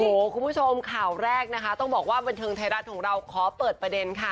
โอ้โหคุณผู้ชมข่าวแรกนะคะต้องบอกว่าบันเทิงไทยรัฐของเราขอเปิดประเด็นค่ะ